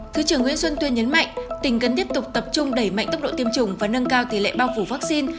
thứ trưởng nguyễn xuân tuyên nhấn mạnh tỉnh cần tiếp tục tập trung đẩy mạnh tốc độ tiêm chủng và nâng cao tỷ lệ bao phủ vaccine